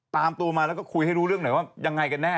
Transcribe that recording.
ตามตัวมาแล้วก็คุยให้รู้เรื่องหน่อยว่ายังไงกันแน่